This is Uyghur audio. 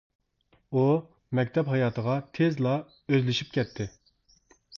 ئۇ، مەكتەپ ھاياتىغا تېزلا ئۆزلىشىپ كەتتى.